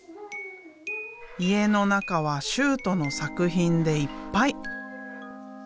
家の中は修杜の作品でいっぱい。